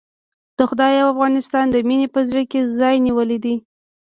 د خدای او افغانستان مينې په زړه کې ځای نيولی دی.